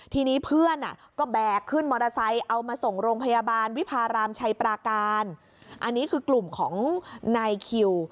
ทีนี้เพื่อนอ่ะก็แบกขึ้นมอเตอร์ไซค์เอามาส่งโรงพยาบาลวิพารามชัยปราการอันนี้คือกลุ่มของนายคิว